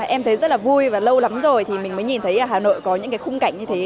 em thấy rất là vui và lâu lắm rồi thì mình mới nhìn thấy ở hà nội có những cái khung cảnh như thế